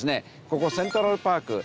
ここセントラルパーク。